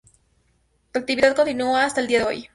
Su actividad continúa hasta el día de hoy.